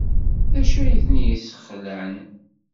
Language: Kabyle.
D acu ay ten-yesxelɛen?